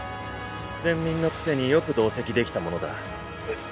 賤民のくせに、よく同席できたものだ。